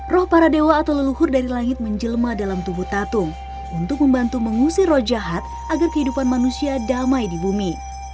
roh para dewa atau leluhur dari langit menjelma dalam tubuh tatung untuk membantu mengusir roh jahat agar kehidupan manusia damai di bumi